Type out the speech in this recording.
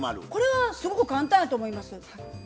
これはすごく簡単やと思います。